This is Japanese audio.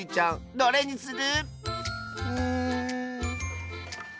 これにする！